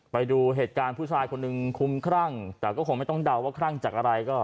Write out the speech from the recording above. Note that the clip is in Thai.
ไปดูเหตุการณ์ผู้ชายคนหนึ่งคุ้มครั่งแต่ก็คงไม่ต้องเดาว่าคลั่งจากอะไรก็